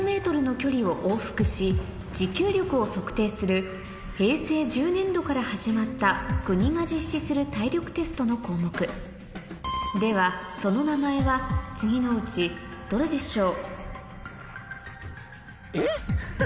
こちらは平成１０年度から始まった国が実施する体力テストの項目ではその名前は次のうちどれでしょう？